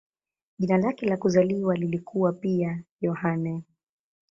Jina lake la kuzaliwa lilikuwa pia "Yohane".